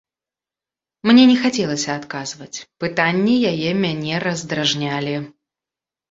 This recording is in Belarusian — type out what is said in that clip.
Мне не хацелася адказваць, пытанні яе мяне раздражнялі.